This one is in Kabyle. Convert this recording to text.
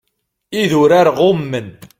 Idurar ɣummen.